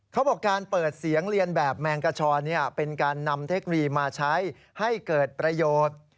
เขาบอกการเปิดเสียงเรียนแบบแมงกระชอนเป็นการนำเทคโนโลยีมาใช้ให้เกิดประโยชน์